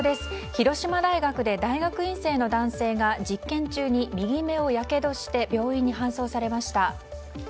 広島大学で大学院生の男性が実験中に右目をやけどして病院に搬送されました。